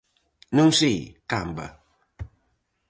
Non si, Camba?